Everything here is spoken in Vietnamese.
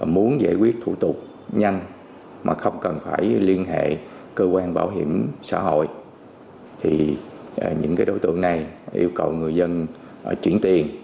mà không cần phải liên hệ cơ quan bảo hiểm xã hội thì những đối tượng này yêu cầu người dân chuyển tiền